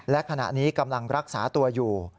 และขณะนี้กำลังรักษาตัวอยู่